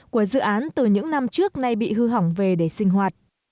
của dự án từ những năm trước nay bị hư hỏng về để sinh hoạt